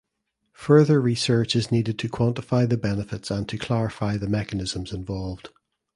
Further research is needed to quantify the benefits and to clarify the mechanisms involved.